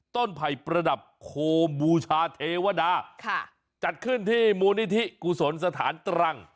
ไผ่ประดับโคมบูชาเทวดาค่ะจัดขึ้นที่มูลนิธิกุศลสถานตรัง